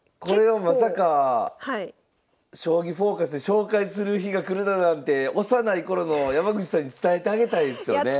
これはまさか「将棋フォーカス」で紹介する日が来るだなんて幼い頃の山口さんに伝えてあげたいですよね。